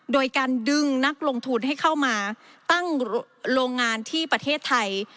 โดยการดึงนักลงทุนให้เข้ามาตั้งโรงงานที่ประเทศไทย